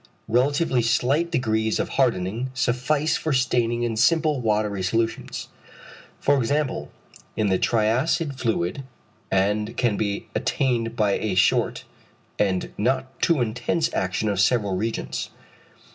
Relatively slight degrees of hardening suffice for staining in simple watery solutions, for example, in the triacid fluid, and can be attained by a short, and not too intense action of several reagents.